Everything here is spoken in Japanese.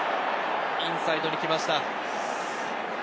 インサイドに来ました。